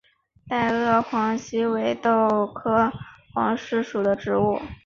袋萼黄耆为豆科黄芪属的植物。